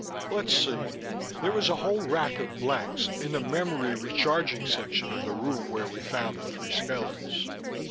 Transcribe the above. Let's see: there was a whole rack of blanks in the memory recharging section of the room where we found the three skeletons.